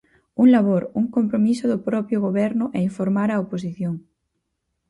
Un labor, un compromiso do propio goberno é informar á oposición.